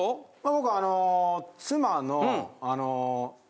僕はあの妻の。